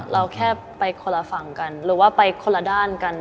เราแค่ไปคนละฝั่งกันหรือว่าไปคนละด้านกัน